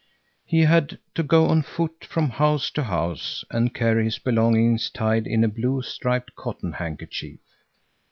He had to go on foot from house to house and carry his belongings tied in a blue striped cotton handkerchief.